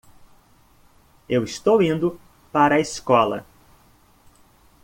Eu estou indo para a escola.